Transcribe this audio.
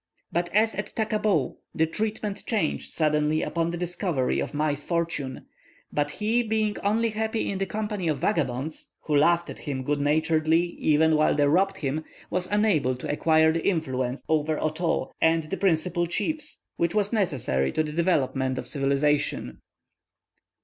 But as at Taqabou, the treatment changed suddenly upon the discovery of Mai's fortune, but he being only happy in the company of vagabonds, who laughed at him good naturedly, even while they robbed him, was unable to acquire the influence over Otoo, and the principle chiefs, which was necessary to the development of civilization.